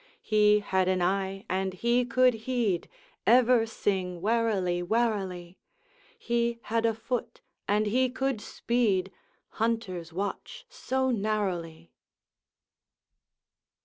'He had an eye, and he could heed, Ever sing warily, warily; He had a foot, and he could speed, Hunters watch so narrowly.'